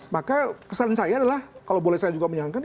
maka kesan saya adalah kalau boleh saya juga menyalankan